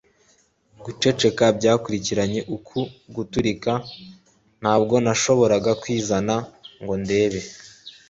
guceceka byakurikiranye uku guturika. ntabwo nashoboraga kwizana ngo ndebe